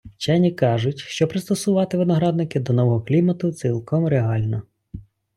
Вчені кажуть, що пристосувати виноградники до нового клімату цілком реально.